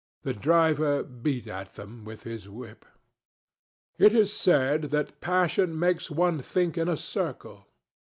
The driver beat at them with his whip. It is said that passion makes one think in a circle.